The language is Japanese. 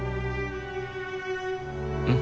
うん。